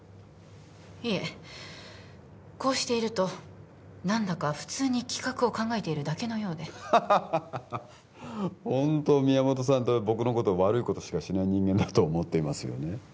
いえこうしていると何だか普通に企画を考えているだけのようでハハハハホント宮本さんって僕のこと悪いことしかしない人間だと思っていますよね